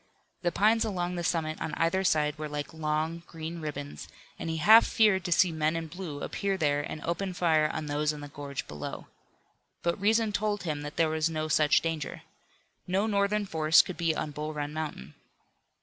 The pines along the summit on either side were like long, green ribbons, and he half feared to see men in blue appear there and open fire on those in the gorge below. But reason told him that there was no such danger. No Northern force could be on Bull Run Mountain.